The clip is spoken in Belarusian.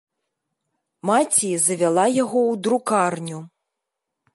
Маці завяла яго ў друкарню.